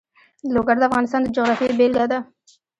لوگر د افغانستان د جغرافیې بېلګه ده.